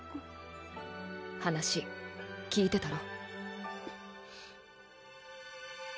話聞いてたろ？